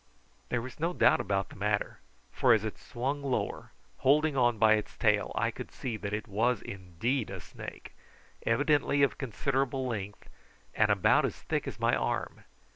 There was no doubt about the matter, for as it swung lower, holding on by its tail, I could see that it was indeed a snake, evidently of considerable length, and about as thick as my arm.